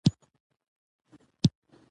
د واک استعمال حد لري